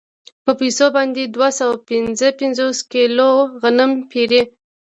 په پیسو باندې دوه سوه پنځه پنځوس کیلو غنم پېري